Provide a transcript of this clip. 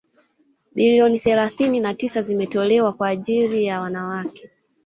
bilioni thelathini na tisa zimetolewa kwa ajiri ya wanawake